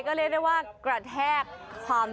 ก็เลยเรียกว่ากระแทกความใจ